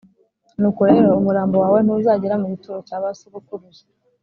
nuko rero umurambo wawe ntuzagera mu gituro cya ba sogokuruza